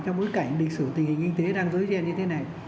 trong bối cảnh định sử tình hình kinh tế đang dối ghen như thế này